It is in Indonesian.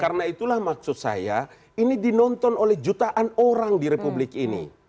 karena itulah maksud saya ini dinonton oleh jutaan orang di republik ini